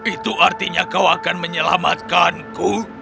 itu artinya kau akan menyelamatkanku